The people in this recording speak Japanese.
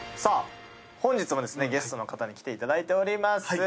本日もゲストの方に来ていただいております。